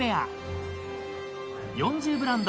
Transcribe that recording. ［４０ブランド